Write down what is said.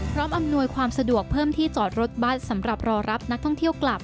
อำนวยความสะดวกเพิ่มที่จอดรถบัตรสำหรับรอรับนักท่องเที่ยวกลับ